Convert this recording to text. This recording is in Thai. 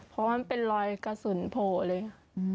เพราะมันเป็นรอยกระสุนโผล่เลยค่ะ